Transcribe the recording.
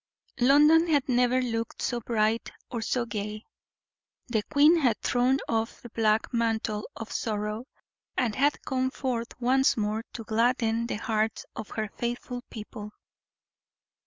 London had never looked so bright or so gay. The queen had thrown off the black mantle of sorrow, and had come forth once more to gladden the hearts of her faithful people.